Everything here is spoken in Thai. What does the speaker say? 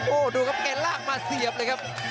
โอ้โหดูครับแกลากมาเสียบเลยครับ